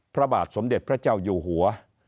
พระบาทสมเด็จพระเจ้าอยู่หัว